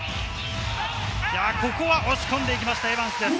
ここは押し込んで行きました、エバンスです。